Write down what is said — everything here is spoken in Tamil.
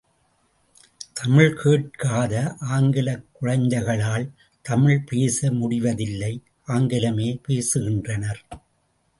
தமிழ் கேட்காத ஆங்கிலக் குழந்தைகளால் தமிழ் பேச முடிவதில்லை ஆங்கிலமே பேசுகின்றனர்.